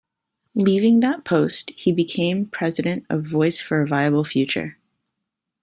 Leaving that post, he became president of "Voice for a Viable Future".